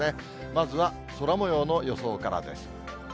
まずは空もようの予想からです。